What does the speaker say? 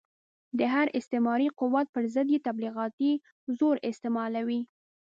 د هر استعماري قوت پر ضد یې تبلیغاتي زور استعمالاوه.